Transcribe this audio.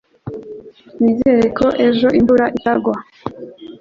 Nizere ko ejo imvura itagwa